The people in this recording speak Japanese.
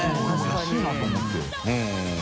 安いなと思って。